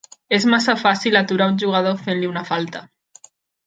És massa fàcil aturar un jugador fent-li una falta.